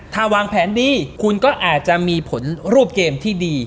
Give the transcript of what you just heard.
ถ้าวางแผนดีคุณก็อาจจะมีผลรูปเกมที่ดี